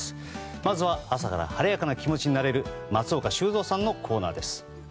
まずは、朝から晴れやかな気持ちになれる松岡修造さんのコーナーです。